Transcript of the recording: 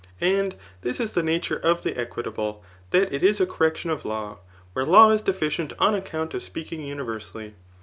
] And this is the nature of the equitable, that it is a correction of law, where law is d^cient oi\ account of speaking universally.